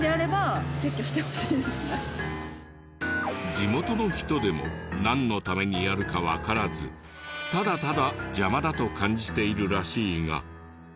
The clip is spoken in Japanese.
地元の人でもなんのためにあるかわからずただただ邪魔だと感じているらしいが。